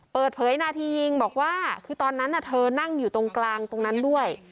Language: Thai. เปิดเผยนาทียิงบอกว่าคือตอนนั้นเธอนั่งอยู่ตรงกลางตรงนั้นด้วย